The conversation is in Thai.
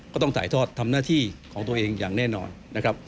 ก็ต้องถ่ายทอดทำหน้าที่ของตัวเองอย่างแน่นอนนะครับ